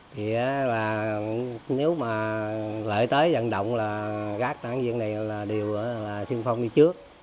thì nếu mà lợi tới dẫn động là gác đảng viên này là đều xuyên phong đi trước